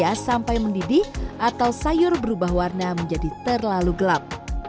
ya sampai mendidih atau sayur berubah warna menjadi terlalu gelap